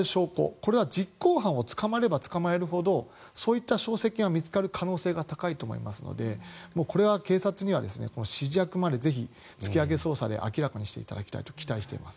これは実行犯を捕まえれば捕まるほどそういった証跡が見つかる可能性が高いと思いますのでこれは警察には指示役までぜひ突き上げ捜査で明らかにしていただきたいと期待しています。